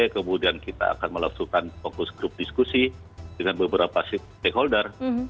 kemudian kita akan melaksukan fokus grup diskusi dengan beberapa stakeholder